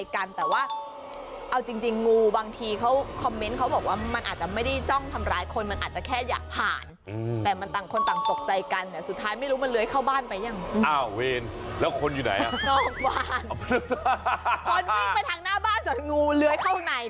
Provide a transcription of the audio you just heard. คุณเห็นไหมโอ้โหนั่นแหละ